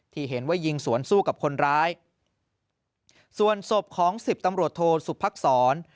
ที่เห็นว่ายิงสวนสู้กับคนร้ายส่วนศพของสิบตำรวจโทสุภักษร